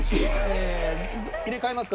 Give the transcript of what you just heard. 入れ替えますか？